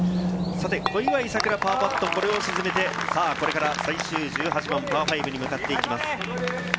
小祝さくら、パーパット、これを沈めて、これから最終１８番、パー５に向かっていきます。